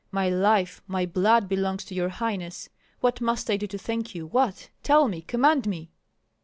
My life, my blood belongs to your highness. What must I do to thank you, what? Tell me, command me!"